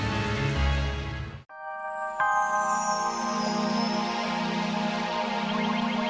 jangan lupa like share dan subscribe ya